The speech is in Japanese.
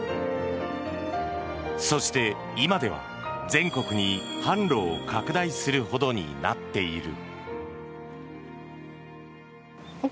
そして、今では全国に販路を拡大するほどになっている。